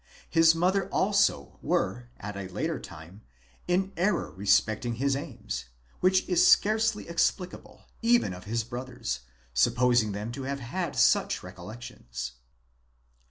his mother also were, at a later time, in error respecting his aims ; which is scarcely explicable, even of his brothers, supposing them to have had such recollections.